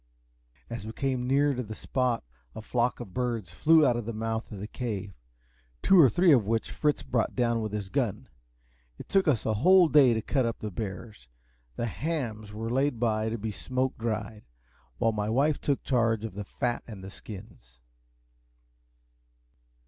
As we came near to the spot a flock of birds flew out of the mouth of the cave, two or three of which Fritz brought down with his gun. It took us the whole day to cut up the bears. The hams were laid by to be smoke dried; while my wife took charge of the fat and the skins.